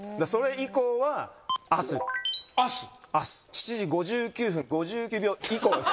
７時５９分５９秒以降です。